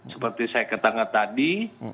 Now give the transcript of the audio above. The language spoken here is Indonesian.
seperti saya katakan tadi